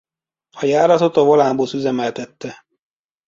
A járatot a Volánbusz üzemeltette.